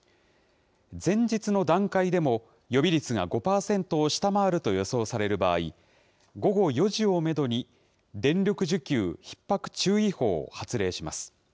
前日の段階でも、予備率が５％を下回ると予想される場合、午後４時をメドに、電力需給ひっ迫注意報を発令します。